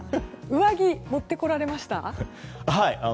上着、持ってこられました？